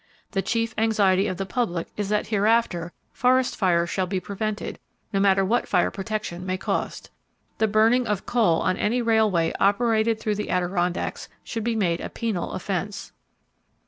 The chief anxiety of the public is that hereafter forest fires shall be prevented, no matter what fire protection may cost! The burning of coal on any railway operated through the Adirondacks should be made a penal offense.